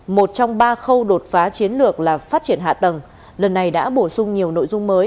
một trong ba khâu đột phá chiến lược là phát triển hạ tầng lần này đã bổ sung nhiều nội dung mới